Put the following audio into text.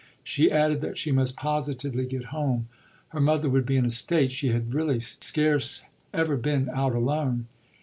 She added that she must positively get home; her mother would be in a state: she had really scarce ever been out alone.